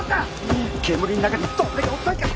煙の中にどんだけおったんか。